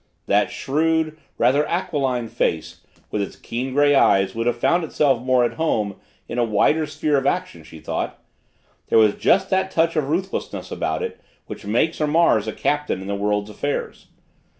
That shrewd, rather aquiline face, with its keen gray eyes, would have found itself more at home in a wider sphere of action, she thought there was just that touch of ruthlessness about it which makes or mars a captain in the world's affairs.